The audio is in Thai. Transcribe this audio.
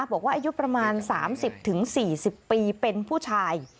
อายุประมาณ๓๐๔๐ปีเป็นผู้ชาย